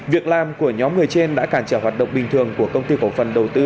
việc làm của nhóm người trên đã cản trở hoạt động bình thường của công ty cổ phần đầu tư